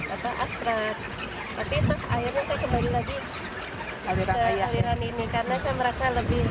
apa abstrak tapi toh akhirnya saya kembali lagi ke aliran ini karena saya merasa lebih